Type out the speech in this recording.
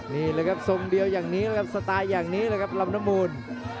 นี่แหละครับทรงเดียวอย่างนี้นะครับสไตล์อย่างนี้เลยครับลำน้ำมูล